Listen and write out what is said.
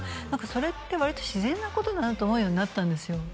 それって割と自然なことだなと思うようになったんですよ